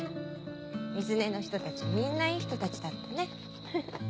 水根の人たちみんないい人たちだったね。